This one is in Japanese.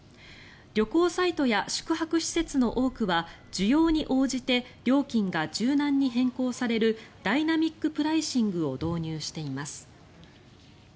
旅行サイトや宿泊施設の多くは需要に応じて料金が柔軟に変更されるダイナミックプライシングを導入しています。